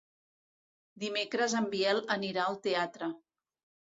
Dimecres en Biel anirà al teatre.